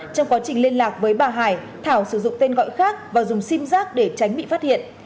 trong quá trình liên lạc với bà hải thảo sử dụng tên gọi khác và dùng sim giác để tránh bị phát hiện